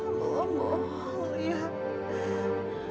aku belum mau lihat